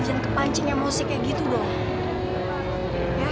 jangan kepancing emosi kayak gitu dong